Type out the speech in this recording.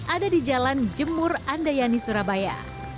ada di jalan jemur andayani surabaya